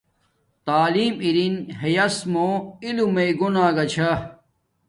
تعیلم ارین ہیاس موں علم میے گون آگا چھا